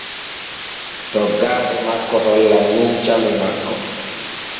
Toggaaɗe makko hollan nun came makko.